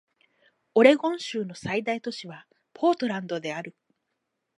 オレゴン州の最大都市はポートランドである